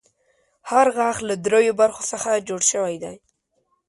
هر غاښ له دریو برخو څخه جوړ شوی دی.